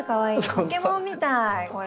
ポケモンみたいこれ。